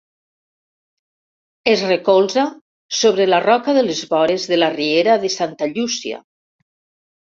Es recolza sobre la roca de les vores de la riera de Santa Llúcia.